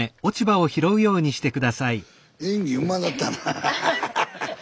演技うまなったな。